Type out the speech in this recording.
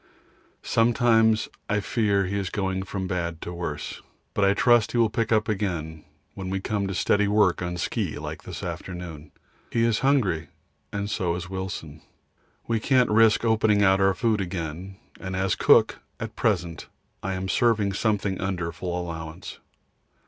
Sometimes I fear he is going from bad to worse, but I trust he will pick up again when we come to steady work on ski like this afternoon. He is hungry and so is Wilson. We can't risk opening out our food again, and as cook at present I am serving something under full allowance.